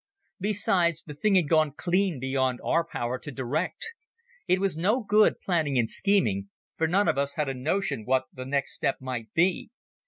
Besides, the thing had gone clean beyond our power to direct. It was no good planning and scheming, for none of us had a notion what the next step might be.